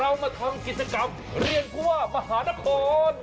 เรามาทำกิจกรรมเรียนผู้ว่ามหานคร